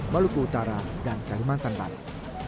maluku utara dan kalimantan barat